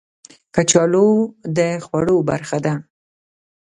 کچالو د خوړو برخه ده